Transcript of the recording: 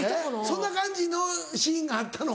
そんな感じのシーンがあったの？